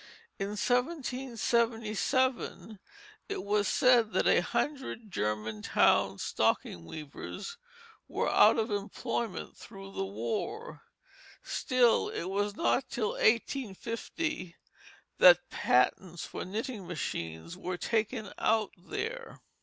In 1777 it was said that a hundred Germantown stocking weavers were out of employment through the war. Still it was not till 1850 that patents for knitting machines were taken out there.